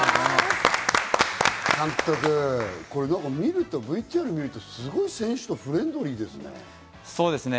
監督、これＶＴＲ見ると、すごい選手とフレンドリーですね。